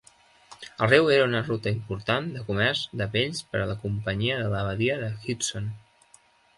El riu era una ruta important de comerç de pells per a la Companyia de la Badia de Hudson.